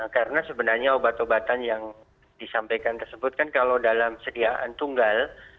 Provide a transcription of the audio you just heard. karena sebenarnya obat obatan yang disampaikan tersebut kan kalau dalam sediaan tunggal